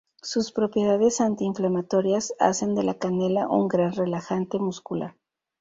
Sus propiedades antiinflamatorias hacen de la canela un gran relajante muscular.